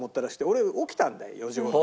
俺起きたんだよ４時頃。